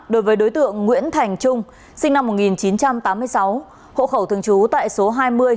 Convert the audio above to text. đối với đối tượng nguyễn thành trung sinh năm một nghìn chín trăm tám mươi sáu hộ khẩu thường trú tại số hai mươi